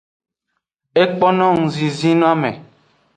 Ekpo no ngzinzin noame.